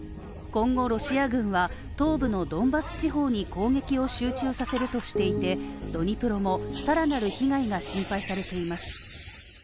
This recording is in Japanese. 今後、ロシア軍は東部のドンバス地方に攻撃を集中させるとしていてドニプロも更なる被害が心配されています。